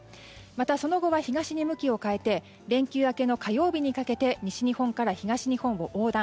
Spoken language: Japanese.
また、その後は東に向きを変えて連休明けの火曜日にかけて西日本から東日本を横断。